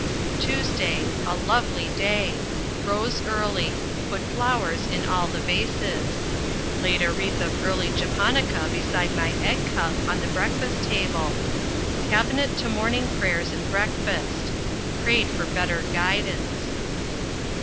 TUESDAY. A lovely day. Rose early. Put flowers in all the vases. Laid a wreath of early japonica beside my egg cup on the breakfast table. Cabinet to morning prayers and breakfast. Prayed for better guidance.